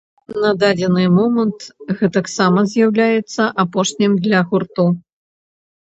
На дадзены момант гэтаксама з'яўляецца апошнім для гурту.